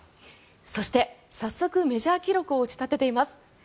そして、早速メジャー記録を打ち立てています。